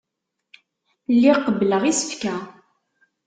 Lliɣ qebbleɣ isefka.